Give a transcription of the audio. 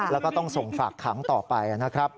แล้วก็ต้องส่งฝากขังต่อไปนะครับ